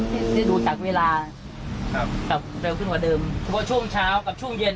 ที่ที่ดูจากเวลาครับแต่ว่าเร็วขึ้นกว่าเดิมคือว่าช่วงเช้ากับช่วงเย็น